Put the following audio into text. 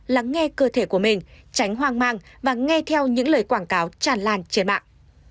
lắng nghe cơ thể của mình tránh hoang mang và nghe theo những lời quảng cáo tràn lan trên mạng